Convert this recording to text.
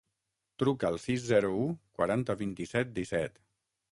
Truca al sis, zero, u, quaranta, vint-i-set, disset.